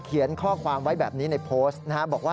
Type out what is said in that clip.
เขียนข้อความไว้แบบนี้ในโพสท์